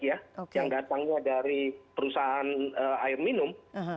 yang datangnya dari perusahaan air minum